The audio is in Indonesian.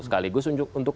sekaligus untuk efektif